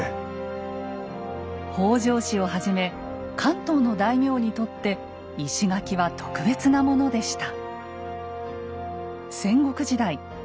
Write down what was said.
北条氏をはじめ関東の大名にとって石垣は特別なものでした。